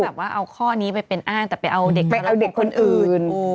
เขาเอาข้อนี้ไปเป็นอ้านแต่ไปเอาเด็กคนอื่น